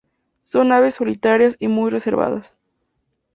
Son aves solitarias y muy reservadas.